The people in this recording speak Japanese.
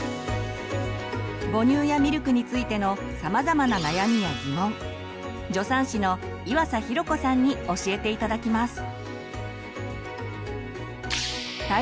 母乳やミルクについてのさまざまな悩みやギモン助産師の岩佐寛子さんに教えて頂きます。